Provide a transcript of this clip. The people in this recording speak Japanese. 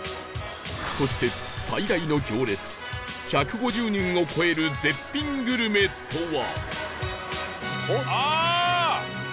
そして最大の行列１５０人を超える絶品グルメとは？